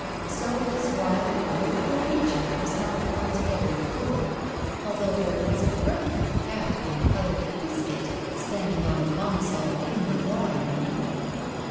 So this wild, wilful creature was not altogether a fool, although there was a frightful cat in coloured biscuit standing on a console in the drawing room.